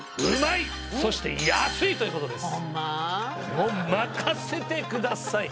もう任せてください。